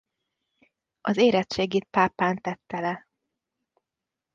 Az érettségit Pápán tette le.